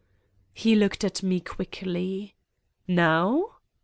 He looked at me quickly : "Now?"